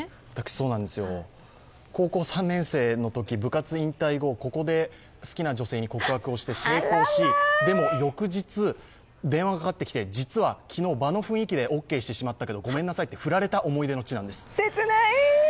そうなんですよ、高校３年生のとき、部活引退後、ここで好きな女性に告白をして成功し、でも翌日電話がかかってきて、実は昨日、場の雰囲気でオーケーしてしまったけどごめんなさいって振られた思い出の地なんです。